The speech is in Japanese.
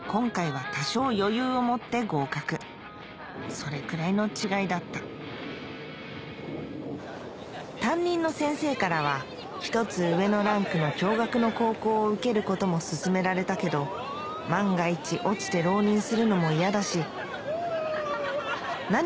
それくらいの違いだった担任の先生からは１つ上のランクの共学の高校を受けることも勧められたけど万が一落ちて浪人するのも嫌だしフォ！